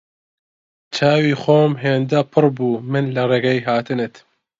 چاوی خۆم هێندە بڕیبوو من لە ڕێگای هاتنت